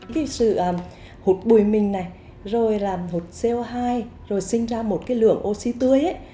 cái sự hụt bụi mình này rồi làm hụt co hai rồi sinh ra một lượng oxy tươi